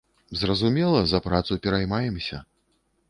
Зразумела, за працу пераймаемся.